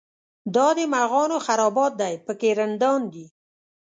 دا د مغانو خرابات دی په کې رندان دي.